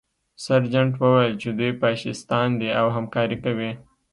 سرجنټ وویل چې دوی فاشیستان دي او همکاري کوي